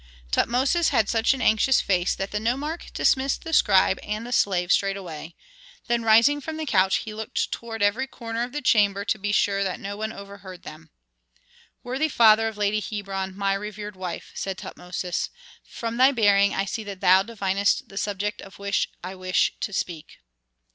Tutmosis had such an anxious face that the nomarch dismissed the scribe and the slave straightway; then rising from the couch he looked toward every corner of the chamber to be sure that no one overheard them. "Worthy father of Lady Hebron, my revered wife," said Tutmosis, "from thy bearing I see that thou divinest the subject of which I wish to speak."